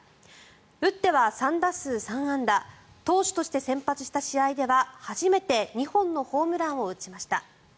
打っては３打数３安打投手として先発した試合では初めて２本のホームランを打ちました。